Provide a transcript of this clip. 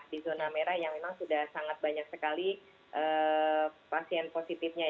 di zona merah yang memang sudah sangat banyak sekali pasien positifnya